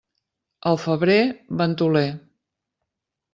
El febrer, ventoler.